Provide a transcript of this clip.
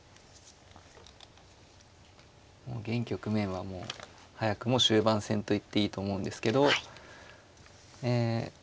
現局面はもう早くも終盤戦と言っていいと思うんですけどええ